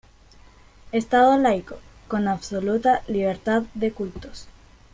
Estado laico, con absoluta libertad de cultos.